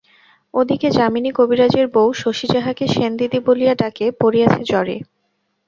ওদিকে যামিনী কবিরাজের বৌ, শশী যাহাকে সেন দিদি বলিয়া ডাকে, পড়িয়াছে জ্বরে।